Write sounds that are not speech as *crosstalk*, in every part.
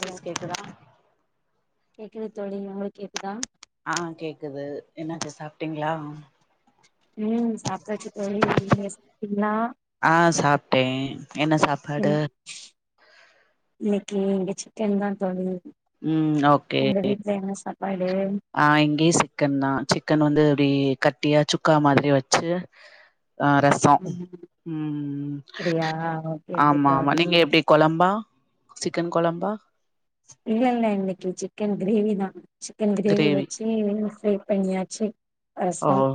Hello கே்கதா கேக்குது தோழி உங்களுக்கு கேக்குதா ஆஹ் கேக்குது என்னாச்சு சாப்பிட்டீங்களா ம் சாப்ட்டச்சு அ நீ சாப்டிங்களா ஆ சாப்ட்டே என்ன சாப்பாடு ம் இன்னைக்கு இங்க சிக்கன் தான் தோழி ம் ஓகே உங்க வீட்ல என்ன சாப்பாடு ஆ இங்கேயு சிக்கன் தான் ச க்கன் வந்து அப்படி கட்டியா சுக்கா மாதிரி வச்சு ஆ ரசம் ம் ம் அப்டியா ஓகே ஓகே ஆமா ஆமா தோழி நீங்க எப்படி கொழம்பா சிக்கன் கொலம்பா இல்லைல்ல இன்னைக்கு சிக்கன் கிரேவி தான் சிக்கன் கிரேவி வச்சு சே பண்ணியாச்சு ஓ ரசம் ஓ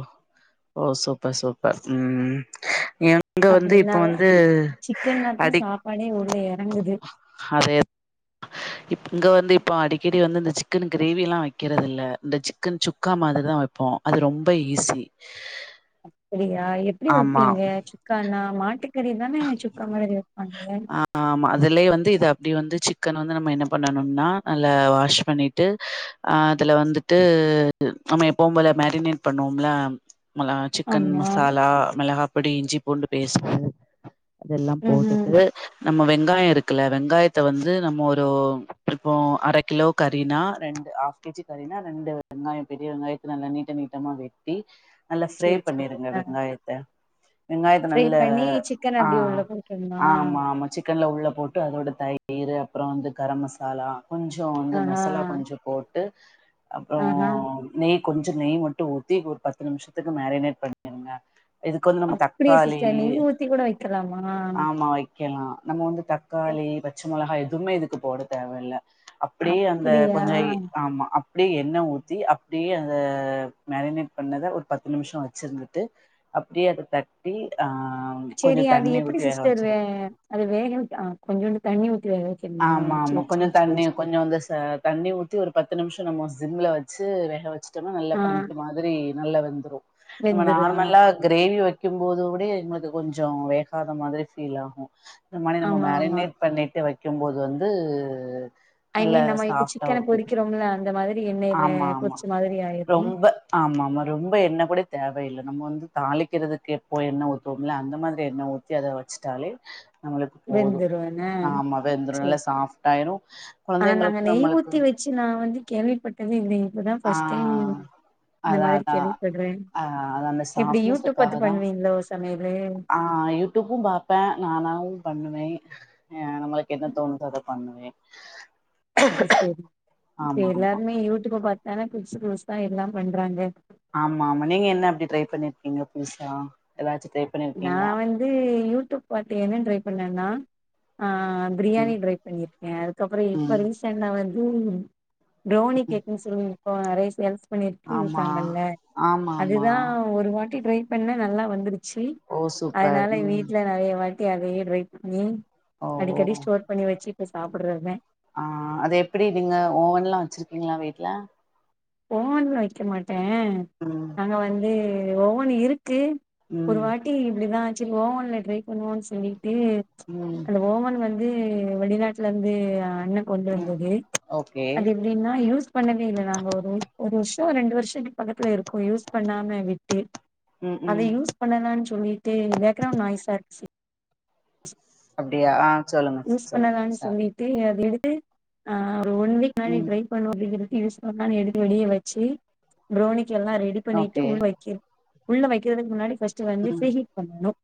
ஓ சூப்பர் சூப்பர் ம் ம் ம் எங்க வந்து இப்ப அப்டின்னாதா வந்து சிக்கன்னாதா அடி சாப்பாடே உள்ள எறங்குது அத இ இங்க வந்து இப் இப்போ அடிக்கடி வந்து இந்த சிக்கன் கிரேவியெலாம் வைக்கிறது இல்ல இந்த சிக்கன் சுக்கா மாதிரி தான் வைப்போம் அது ரொம்ப ஈஸி *unintelligible* ஆ எப்படி ஆமா. வைப்பீங்க சிக்கானா மாட்டுக்கு டி தானே சுக்கா மாிர இருப்பாங்கங்க அதுலேயே வந்து இதது அப்படி வந்து சிக்கன் வந்து நம்ம என்ன பண்ணணும்னா நல்லா வாஷ் பண்ணிட்டுஹ இதில் வந்துட்டு நம்ம எப்பவும் போல மேரினேட் பண்ணோம்ல மல சிக்கன் ஆமா மசால மலஹ அப்படி இஞ்சி பொூண்டு பேச அதெல்லாம் ம் ம் போட்டுட்டு நம்ம வெ வெங்காயோ இருக்ல வெங்காயத்த வந்து நம்ம ஒரு இப்போ அர கிலோ கரினா ரெண்டு ஹாஃப் கேஜி கரினா ரெண்டு வெங்காயோ பெரிய வெங்காயோ நல்லா நீட்ட நீட்டமா வெட்டி நல்லா ஃப்ரே சேரி சேரி பண்ணிருங்க ஆ வெங்காயத்த வெங்காயத்த ஃப்ரை நல்ல பண்ணி சிக்கன் அப்டியே உள்ள போட்டுன்னுமா ஆமா ஆமா சிக்கன்ல உள்ள போட்டு அதோட தயிர் அப்ரோ வந்து கரம் மசாலா கொஞ்சோ வந்து ஆஹா மசாலா கொஞ்சோ போட் டு அப்றோ ஆஹா நெ கொஞ்சோ நெய் மட்டு ஊத்தி ஒரு பத்து நிமிஷத்துக்கு மேரினேட் பண்ணிருங்க இதுக்கு வந்து நம்ம அப்படியே தக்காளி சிஸ்டர் நெய் ஊத்தி கூட வைக்கலா ஆஹ் கலா நம்ம வந்து தக்காளி பச்ச மொளஹா துமை இதுக்கு போட தேவல்ல அப்டியே அந்த அப்டியா கொஞ்சோ ஆமா அப்டே எண்ண ஊத்தி அப்டியே அத மேரினேட் பண்ணத ஒரு பத்து நிமிஷோ வச்சிருந்துட்டு அப்படியே அத தட்டி ஆ கொஞ்சோ சேரி அது தண்ணி எப்படி ஊத்தி வேக சிஸ்டர் வச்சிரு அது வேக ஆ கொஞ்சோண்டு தண்ணி ஊத் ஆமா ஆமா கொஞ்சோ தண்ணி கொஞ்சோ வந்து ச தண்ணி ஊத்தி ஒரு பத்து நிமிஷோ நம்ம சிம்ல வச்சு வேக வச் சோன்னா நல்ல ஆ பஞ்சு மாதிரி நல்லா வெந் நம்ம வெந்துரு ஆ நார்மலா கிரேவி வைக்கும் *unintelligible* ங்களுக்கு கொஞ்சோ வேகாத மாதிரி ஃபீல் ஆகு இந்த மாரி நம்ம ஆமா ஆமா மேரினேட் பண்ணிட்டு வக் கம்போது வந்து ஐ நல்லா மீன் நம்ம இப்ப சாஃப்டாவு சிக்கன இருக்கு பொறிக்கிறோம்ல அந்த மாதிரி எண்ணெய்ல ஆமா ஆமா பொறிச்ச மாதிரி ஆயிரு ரொம்ப ஆமா ஆமா ரொம்ப என்ன கூட தேவ் வ இல்ல நம்ம வந்து தாளிக்கிறதுக்கு எப்பவு எண்ண ஊத்துவோம்ல அந்த மாதிரி எண்ணய் ஊத்தி அத வச்சுட்டாலே பெ நம்மளுக் போது வெந்துரு என்ன ஆமா வெந்துரு சேரி நல்லா சாஃப்ட் ஆயிரு கொழந்தைங்களுக்கு நம்மளுக்கு கேள்விப்பட்தே இல்லங் ஆஹ் மாதிரி அதான்அதான் கேள்விப்பட்றே அஹ் அத அந்த எப்டி யூடியூப் சாப்ட்னஸ்காக பாத்து தான் பண்ணுவீங்களோ சமையலு ஆஹ் யூடியூப்பும் பாப்பேன் நானாவும் பண்ணுவேன் ஆஹ் நம்மளுக்கு என்ன தோணுதோ அத பண்ணுவேன் அது சரி இப்ப ஆமா ஆமா எல்லாருமே யூடியூப் பாத் ஆனா புதுசு புதுசு தான் எல்லாம் பண்றாங்க ஆமா ஆமா நீங்க என்ன அப்படி ட்ரை பண்ணிருக்கீங்க புதுசா எதாச்சு நான் வந்து யூடியூப் பாத்துஎன்ன ட்ரை பண்ணேன்னா ஆஹ பிரியாணி ம் ட்ரை பண்ணியிருக்கேன் அதுக்கப்புறம் இப்ப ம் ரீசெண்டா வந்து உம் டோனி ம் கேக்குன்னு சொல்லுங்க ரைச் *unintelligible* *unintelligible* ஆமா இருக்காங்கல்ல ஆமா ஆமா அதுதான் ஒரு வா ட்ரை பண்ண நல்லா வந்துடுச்சு ஓ சூப்பர் அதனால ம் வீட்டுல நிறைய வா அதே ட்ரை பண்ணி ஓ அடிக்கடி ஸ்டோர் பண்ணி வச்சு ப்ப சாப்பிடறது தான் ஆஹ் அது எப்படி இதுங்க ஓவன் எல்லாம் வச்சிருக்கீங்களா வீட்டு்ல ஒவன் ல வைக்கமாட் ஏன் ம் அங்க வந்து ஒவனு இரு க்கு ஒரு ம் வாட்டி இப்படிதான் சரி ஒவன்ல ட்ரை பண்ணுவோன்னு சொல்லி ம் அந்த ஓவன் வந்து வந்து வெளிநாட்டுல இந்து அ ண்ண கொண்டு ம் வந்தது ஓகே அது எப்டினாயூஸ் பண்ணவே நாங்க ஒரு வருஷம் ரெண்டு வருஷக்கு பக்கத்துல இருக்கும் யூஸ் பண்ணாம விட்டு ம் அத ம் யூஸ் பண்ணலாம் ன்னு சொல்லிட்டு பேக்ரெவுண்ட் நாய்ஸாச்சு. ஆ அப்படியா ஆ சொல்லுங்க யூஸ் சொல்லுங்க பண்ணலாம்னு சார் சொல்லிட்டு அது எடுத்து ஆ ஒன் வீக் னாடி ம் ட்ரை பண்வோ அப்டீன்றது இது சொன்னான்னு எடுத்து வெளிய வச்சு புரோனிக் எல்லாம் ரெடி பண்ணிட்டு ஓகே உள் வைக்கிறோம் உள்ள வைக்கிறதுக்கு முன்னாடி ஃபர்ஸ்ட் வந்து ம் ஃப்ரி ஹீட் பண்ணணும்.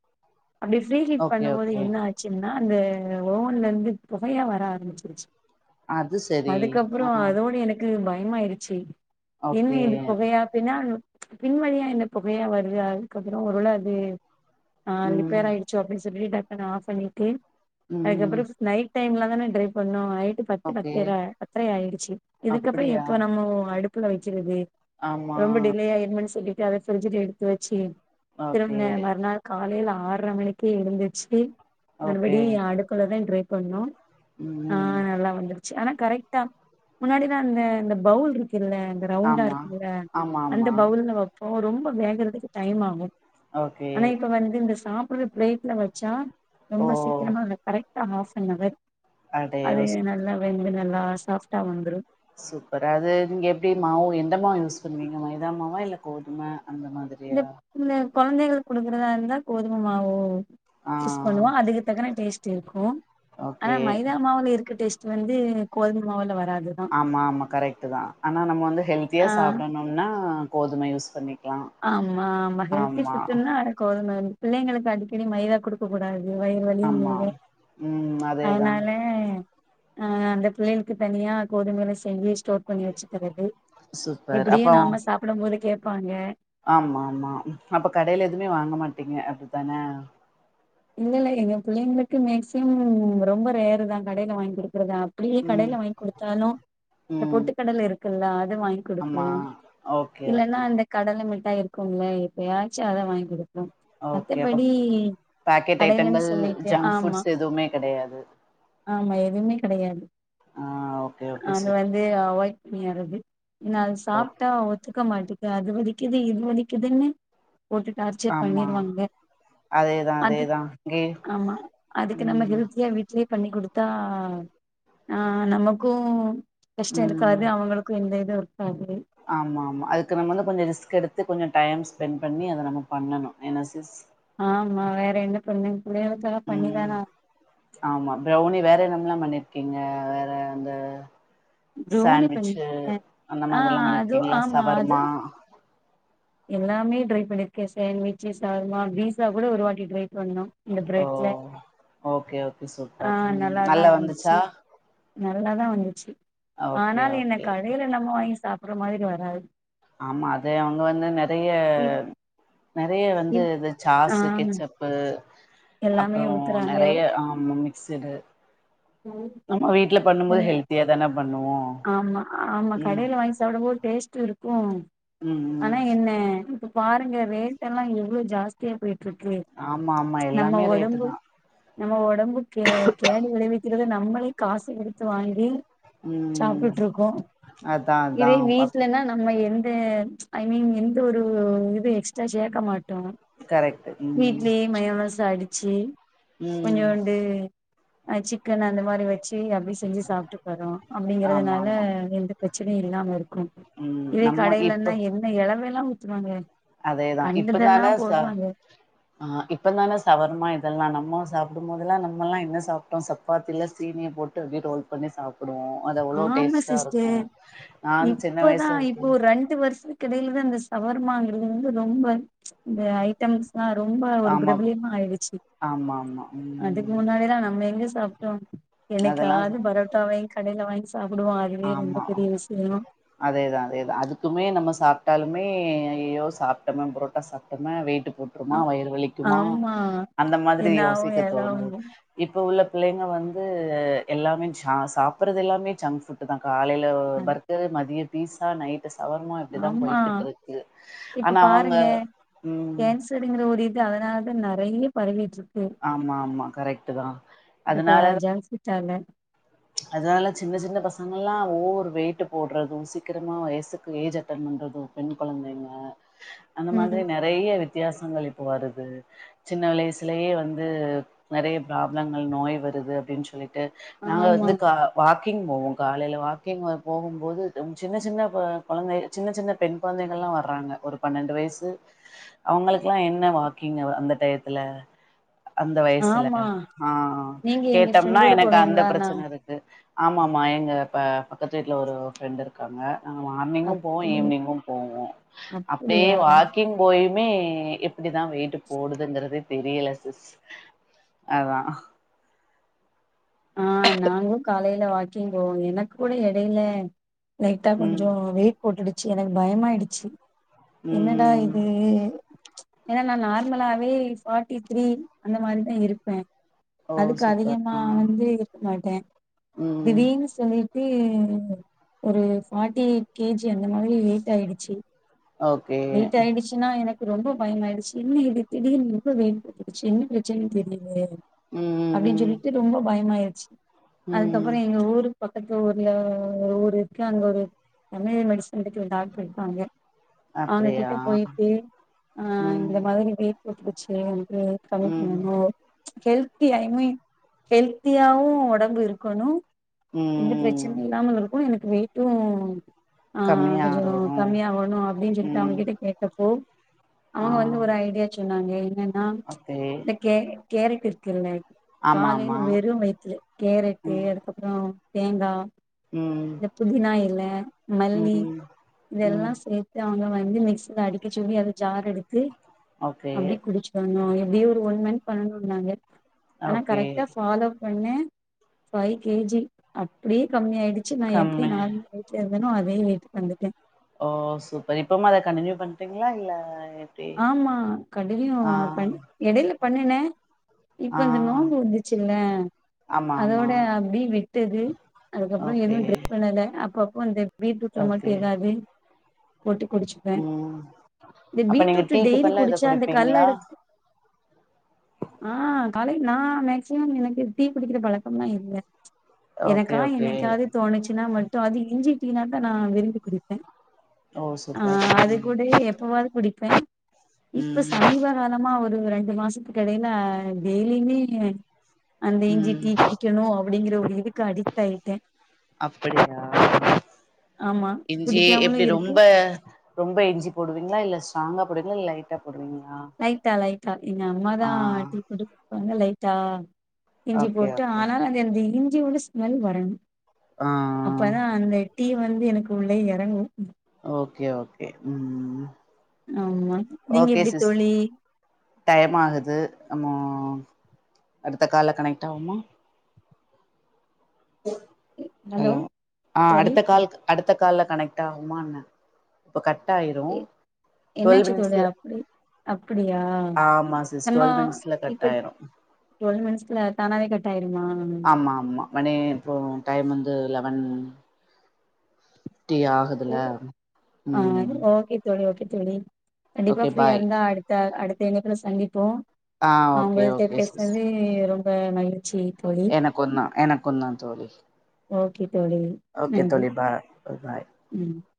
அப்டி ஃப்ரீ ஹிட் ஓகே பண்ணும் போது ஓகே என்ன ஆச்சுன்னா. *unintelligible* ஓவன்ல இருந்து புகையா வர ஆரம்பிச்சிருச்சு. அது சரி அதுக்கப்புறம், ஆ அதோடு எனக்கு பய.. பயம்மாயிடுச்சு. இன்ன, ஓகே இது புகையாப் பினானு. பின்வழியா என்ன புகையா வருது, அதுக்கப்புறம் ஒருவேள அது.. ஆ ம் ரிப்பேர்யாடுச்சோ அப்டினு சொல்லி.. ன ஆஃப் பண்ணிட்டு. ம் அதுக்கப்புறம் ஸ்நய். டைம்லாம் தானே டை பண்ணுவை. பத்து பத்த ஓகே பத்திர பத்தற ஆயிடுச்சு, இதுக்கப்புறம் அப்டியா எப்ப நம்ம அடுப்.. உள்ள வைக்கிறது. ஆமா ரொம்ப டிிலே ஆயிருமேண் சொலிட்.. *unintelligible* எடுத்து வச்சு ஓகே திரும்ப மறுநாள் காலையில. ஆறரை மணிக்கு எழுந்துச்சு. ஓகே. மறுபடி *unintelligible* ட்ரை பண்ணோ ஆ ம் நல்லா வந்துரு. ஆனா கரெக்டா முன்னாடி தான், அந்த பவுல் இர். ல்ல ரவுண்டா ஆமா இருக்கும்ல, ஆமா அந்த ஆமா பவுல்ல வப்போம் ரொம்ப வேகறதுக்கு டைம் ஆகும். ஓகே ஆனா இப்ப வந்து இந்த சாப்.. *unintelligible* ப்ளேட்ல வச்சா. ஓ ரொம்ப சிக்.. *unintelligible* ஹாஃப் அன் வர் அடயோ அதுே நல்ல. வெந்து நல்லா, சாப்ட்டா வந்துரு. சூப்பரா அது நீங்க எப்டி மாவு, எந்த மாவு யூஸ் பண்ணுவீங்க மைதா மாவா இல்ல கோதும.. அந்த இந்த மாதிரியா. இந்த கொழந்தைகளுக்கு குடுக்கிறதா இருந்தா கோதுமை மாவோ ஆ யூஸ் பண்ணுவோம் அதுக்கு தக்கன டேஸ்ட் த்திருக்கும் ஆனா ஓகே மைதா மாவுல இருக்க டேஸ்ட் வந்து கோதுமை மாவுல வராது ஆமா ஆமா கரெக்ட் தா ஆனா நம்ம வந்து ஹெல்தியா ஆ சாப்பிடணும்னா கோதுமை யூஸ் பண்ணி ஆமா ஆமா ஹெல்த்தி ஃபுட்னா அது கோதுமை பிள்ளைங்களுக்கு அடிக்கடி மைதா குடுக்கக்கூடாது வயிறு ஆமா வலிங்க ம் அதேதா அதனால ஆ அந்த பிள்ளைகளுக்கு தனியா கோதுமைையில செஞ்சு ஸ்டோர் பண்ணி வச்சிக்கிறது சூப்பர் அப்போ எப்பிடியும் நாம சாப்பிடும் போது கேப் பாங்க ஆமா ஆமா அப்ப கடையில எதுவுமே வாங்க மாட்டீங்க அப்பிடித்தானே இல்ல இல்ல எங்க பிள்ளைங்களுக்கு மேக்சிமம் ரொம்ப ரேரு தான் கடையில வாங்கி குடு அப்பிடியே ம் கடைல வாங்கி கூடுத்தாலும் இந்த ம் பொட்டுக்கடல இருக்க கில்லா வாங்கி ஆமா குடுப்போம் ஓகே ஓகே இல்லலைன்னா அந்த கடலை மிட் இருக்கும் இல்ல எப்பயாச்சும் அதை வாங்கி குடுப்பேன் ம்ம் மத்தபடி பாக்கெட் கடைலன்னு ஐட்டங்கள் சொல்லிட்டு ஜங்க் ஆமா புட்ஸ் எதுவுமே கிடையாது ஆமா எதுவுமே கெடையாது ஆ ஓகே ஓகே அது ச வந்து அவாய்ட் பண்ணியறியது நான் சாப்பிட்டா ஒத்துக்க மாட்டேங் அது வலிக்குதுன்னு இது வலிக்குதுன்னு போட்டு டார்ச்சர் ஆமா பண்ணிருவாங்க அதேதா அது அதேதா இங்கயு ஆமா அதுக்கு நம்ம ம் ஹெல்த்தியா வீட்லயே பண்ணி் குடுத்தா ஆ நமக்கும் கஷ்டம் ம் இருக்காது அவங்களுக்கும் எந்த இது இருக் ஆமா ஆமா அதுக்கு நம்ம வந்து கொஞ்சம் ரிஸ்க் எடுத் த்து கொஞ்சம் டைம் ஸ்பென்ட் பண்ணி அத நம்ம பண்ணணும் என்ன சிஸ் ஆமா வேற என்ன பண்ண ம் ஆமா பிரவுனி வேற னலாம் பண்ணிருக்கீங்க வேற அந்த ப்ரௌனி சாண்ட்விச்சு பண்ணிருக்கே அந்த ஆ மாதிரில்லாம் அது பண்ணீர்க்கீங்களா ஆமா அது சவர்மா எல்லாமே ட்ரை பண்ணிருக்கேன் சேண்ட்விட்ச்சு சாவர்மா பீஸா கூட ஒரு வாட்டி ட்ரை பண்ணோம் இந்த ஓ பிரட்லே ஓகே ஓகே ஆ சூப்பர் ம் நல்லா நல்லாதான் வந்துச்சு வந்துச்சா நல்லாதான் வந்துச்சு ஓகே ஆனால என்ன ஓகே கடையில நம்ம வாங்கி சாப் ப்புற மாதிரி வராது ஆமா அத் து அவங்க வந்து நெறைய இப் நெறைய வந்து இப் இது ஆ சாசு கெச்சப்பு எல்லாமே அப்புறம் ஊத்துறாங்க நெறைய ஆ மும்மி சிடு நம்ம வீட்ல பண்ணும் போது இல்ல ஹெல்த்தியா தான பண்ணுவோ ஆமா ஆமா ம் கடையில வாங்கி சாப்டும் போது டேஸ்ட் திருப்பும் ம் ம் ஆனா என்ன *unintelligible* பாருங்க ரேட் எல்லாம் எவ்வளோ ஜாஸ்தியா போயிட் ஆமா ஆமா எல்லாமே ரேட்டு தான் நம்ம ஒடம் பு கே கேடு விளைவிக் க்கிறத நம்மளே காசு குடுத்து வாங்கி ம் சாப்புட்ருக்கோம் அதா அதா இதே பாக்கணு வீட்டுலன்னா நம்ம என் தே ஐ மீன் எந்த ஒரு இது எக்ஸ்ட்ரா சேக்க மாட் ட்டோ கரெக்ட் ம் வீட்லேயே மையோனிஸ் அடிச் சேரி ம் கொஞ்சோண்டு அ சிக்கன் அந்த மாதிரி வச்சு சி அப்பிடி செஞ்சு சாப்பிட்டு போறம் ஆமா அப்படிங்கிறதுனால ஆமா ரெண்டு பிரச்சனையே இல்லாம இருக்கு *unintelligible* ம் இதே நம்ம கடையிலன்னா என்ன எளவெல்லா லாம் ஊத்துவாங்க அதே தான இப்ப கண்டதெல்லா தானே ச போடுவாங்க ஆஹ் இப்ப தானே சவர்மா இதெல்லாம் நம்மோ சாப்பிடும்போதல்லாம் நம்மல்லாம் என்ன சாப்பிட்டோம் சப்பாத்தியில சீனிய போட்டு ரோல் பண்ணி சாப்பிடோம் ஆமா சிஸ்டர் நான் சின்ன வயசுல இப்பதான் இப்போ இருக்கைல ரெண்டு வருஷம் கடையில தா அந்த சவர்மாங்கிறது வந்து ரொம்ப ச் இந்த ஐட்டம்ஸ் ரொம்ப ஒரு ஆமா பிரபலியமா ஆயிடுச்சு ஆமா ஆமா அதுக்கு ம் முன்னாடிே தான் நம்ம எங்க சாப்டோ அதெல்லா என்னக்காது பரோட்டாவை இங்க வாங்கி ஆமா விஷயோ அதேதான் அதேதான் அதுக்குமே நம்ம சாப் சாப்ட்டாலுமே ஐயயோ சாப்பிட்டோமே புரோட்டா சாப்பிட்டோமே வெயிட்டு போட்டுருமா வயிறு வலிக்குமா ஆமா அந்த மாதிரி என்னாவு யோசிக்க தோணுது ஏதாவு இப்ப உள்ள பிள்ளைங்க வந்து எல்லாமே சா சாப்பறது எல்லாமே ஜங்க் ஃபுட் காலையில வறுத்தத மதியம் பீட்ஸா நைட் இந்த சவர்ர்மா இப்படித்தான் ஆமா போய்கிட்டு இருக்கு இப்ப ஆனா அவங்க பாருங்க உம் நறைய பரவிட்டு இருக்கு ஆமா ஆமா கரெக்ட்டு தான் அதனாலதா தேவல்ல அதனால சின்ன சின்ன பசங்களா ஓவரு வெயிட் போடுறதும் சீக்கிரமா வயசுக்கு ஏஜ் அட்டன் பண்றதும் பெண் கொழந்தைங்க அந்த மாதிரி ம் நிறைய வித் வித்தியாசங்கள் இப்போ வருது சின்ன வயசுலயே வந்து நிறைய ப்ராப்ளங்கள் நோய் வருது அப்படின்னு சொல்லிட்டு ட்டு நாங்க ஆமா இதுக்கா வாக் வாக்கிங் போவோம் காலையில வாக்கிங் போகும் போது சின்ன சின்ன கொழந்தை சின்ன சின்ன பெண் கொழந்தைகள் எல்லாம் வர்றாங்க ஒரு பன்னெண்டு வயசு அவங்களுக்குல்லாம் என்ன வாக்கிங் அந்த டயத்துல அந்த வயசுல ஆமா ஆஹ் நீங்க எங்க கேட்டோம்னா ஃப்ரெண்டோட எனக்கு அந்த போவீங்களானா பிரச்சனை இருக்கு ஆமாமா எங்க இ பக்கத்து வீட்டுல ஒரு ஃப்ரெண்ட் இருக்காங்க மார்னிங்கும் போவோ அப்படி ஈவினிங்கோ போவோ அப்டியே அப்படியா வாக்கிங் போய் மே எப் எப்படிதா வெயிட்டு போடுதுங்கிறது தெரியல சிஸ் அதா ஆ நாங்களோ காலையில வாக்கிங் போவோம் எனக்கு கூட எடையில லைட்டா ம் கொஞ்சோ வெயிட் போட்டுடு எனக்கு பயமாயிடுச்சு என்னடா ம் ம் இது ஏன்னா நான் நார்மலாவே ஃபார்ட்டி த்ரீ அந்த மாதிரிதான் இருப்பேன் ஓ அதுக்கு சூப்பர் அதிகமா ஆ வந்துருக்க மாட்டே ம் திடீனு சொல்லி ஒரு ஃபார்ட்டி கேஜி அந்த மாரி வெயிட் ஆயிடுச்சு ஓகே வெயிட் ஆயிடுச்சுன்னா எனக்கு ரொம்ப பயமாயிடுச்சி என்ன இது திடீனு ரொம்ப வேயில்பட்டுச்சு என்ன பிரச்சனைன்னு தெரிலியே ம் அப்டின் ம் ம் சொல்ட்டு ரொம்போ பயமாயிற்சி ம் அதுக்கப்புறோ எங்க ஊரு பக்கத்து ஊர்ல ஒரு ஊரு இருக்கு அங்க ஒரு சமய மெடி இதுக்கு டாக்டுறு இருப்பாங்க அவுங்க அப்டியா கிட்ட போயி கேட் அ ம் இந்த மாதிரி வே *unintelligible* ம் *unintelligible* ஹெல்த்தி ஐ மீன் ஹெல்த்தியாவு ஒடம்பு இருக்கணு எந்த ம் பிரச்சனையு இல்லாம ஓ எனக்கு வெயிட்டோ ஆஹ் கம்மியா கொஞ்ஜோ ஆர்வோ கம்மியா அவனு அப்டின் சொல்ட்டு ம் அவங்ககிட்ட கேட்டப்போ ஆ அவுங்க வந்து ஒரு ஐடியா சொன்னாங்க என்னனு ஆஹ ஓகே நெ க்கே கேரட் இருக்குல்ல ஆமா ஆமா வெறும் வயித்ல கேரட்டு ம் அதுக்கப்புரோ தேங்கா ம் இந்த புதினா இல மல்லி ம் இதெல்லா ம் சேர்த்து அவுங்க வந்து மிக்சில அடிக்க சொல்லி அதை ஜார் எடுத்து ஓகே அப்டி குடிச்சிக்கனு எ அதே ஒரு ஒன் மந்த் பண்ணனுனாங்க ஓகே தா ஃபாலோ பண்ணே ஃபைவ் கே ஜி அப்டியே கம்மியா ஆயி வெச்சி நா எப்டி கம்மு நார்மல் வெயிட்ல இருந் இன்னு அதே வெயிட்ல வந்துட்டே ஓ சூப்பர் இப்போமு அத கண்டினியூ பண்ட்டீங்ளா இல்ல எப்டி ஆமா ஆ கடையிலு பன் எடைல பண்ணுன இப்ப ஆ அந்த நோம்பு வந்துச்சில்ல ஆமா ஆமா அதோட அப்டி விட்டது அதுக்கப்பற ஓகே எதுவு ட்ரை பண்ணல அப்ப வந்து பீட்ருட் நமக்கு ஓகே எதாது போட்டு குடிச்சிப்பே ம் இந்த அப்ப நீங்க பீட்ரூட் டீக்கு டெய்லி பதிலா இத குடிச்சா அந்த குடிப்பீங்களா கல்லடப் ஆ காலையில் நான் மேக்சிமம் எனக்கு டீ குடிக்கிற பழக்கம்லா இல்ல ஓகே எனக்கா ஓகே என்னிக்காது தோணுச்சினா மட் டு அது இஞ்சிட்டீனா தா நா விரும்பி குடிப்ப ஓ ஆ சூப்பர் அது ம் கூட எப்பவாது குடி ப்பே இப்ப ம் சமீப காலமா ஒரு ரெண்டு மாசத்துகெடையில ஆ டெய்லியுமே அந்த இஞ்சி ம் டீ குடிக்கணு அப்டிங்கிற ஒரு இதுக்கு அடிக்ட் ஆயிட்டே அப்பிடியா ஆமா இஞ்சி குடிக்காமலு எப்டி இருக்கு ரொம்ப ரொம்ப இஞ்சி போடுவீங்களா இல்ல ஸ் ஸ்டாங்கா போடுவிங்களா இல லைட்டா போடுவீங்களா லைட்டா லைட்டா எங்க அம்மாதா ஆ டீ குடி கொஞ்சொ லைட்டா இஞ்சி ஓகே போட்டு ஓகே ஆனாலு அது எனக்கு இந் இஞ்சி வந்து ஸ்மெல் வரணு ஆ அப்பதா அந்த டீ வந்து எனக்கு உள்ளயே எறங்கு ஓகே ஓகே ம் ம் ஆமா நீங்க ஓகே எப்டி சிஸ் தோழி டைம் ஆகுது நம்மோ அடுத்த கால கனெக்ட் ஆவமா ஹலோ ஆ தோழி அடுத்த கால் க அடுத்த கால்ல கனெக்ட் ஆகுமா என்ன இப்போ கட் ஆயிரு எ டுவெல் என்னாச்சு தோலி மினிட்ஸ்ல அப்டி அப்பிடியா ஆமா சிஸ் நம்மோ டுவெல் மினிட்ஸ்ல கட் இப்ப ஆயிரு ஒன் மினிட்ஸ்ல தானாவே கட் ஆயிருமா ஆமா ஆமா மணி இப்போ டைம் வந்து லெவ வன் தட்டி ஆகுதுல ஆ ம் ஓகே தோழி ஓகே தோழி கண்டிப்பா ஓகே ஃப்ரீயா பாய் இருந்தா அடுத்த அடு *unintelligible* சந்திப்போ ஆ ஓகே அவ்ங்கள்ட்ட ஓகே பேஸ் சொல்லி க மயிற்சி எனக்குகொன்னா எனக்குகொந்தான் தோழி ஓகே தோழி ஓகே நன்றி தோழி பாய் குட் பாய் ம்